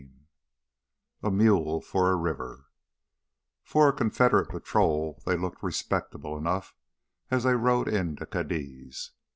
7 A Mule for a River For a Confederate patrol, they looked respectable enough as they rode into Cadiz.